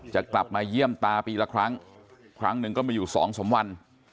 จะกลับมาเยี่ยมตาปีละครั้งครั้งหนึ่งก็มีอยู่สองสามวัน